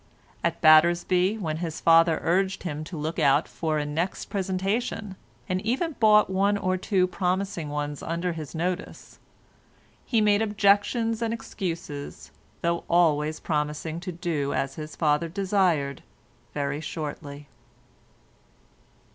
At Battersby, when his father urged him to look out for a next presentation, and even brought one or two promising ones under his notice, he made objections and excuses, though always promising to do as his father desired very shortly.